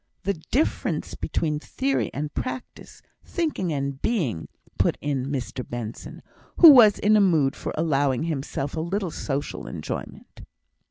"The difference between theory and practice, thinking and being," put in Mr Benson, who was in a mood for allowing himself a little social enjoyment.